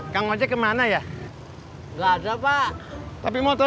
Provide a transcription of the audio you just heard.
kayak teman gitu